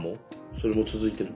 それも続いてる？